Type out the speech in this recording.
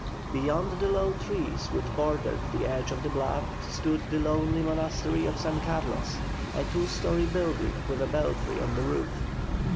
Beyond the low trees which bordered the edge of the bluff stood the lonely monastery of San Carlos, a two storey building with a belfry on the roof.